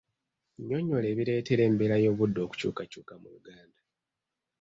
Nnyonnyola ebireetera embeera y'obudde okukyuka mu Uganda.